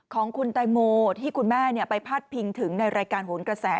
ของคุณแตงโมที่คุณแม่ไปพาดพิงถึงในรายการโหนกระแส